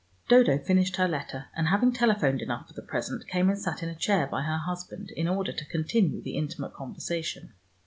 Dodo finished her letter, and having telephoned enough for the present, came and sat in a chair by her husband, in order to continue the intimate conversation.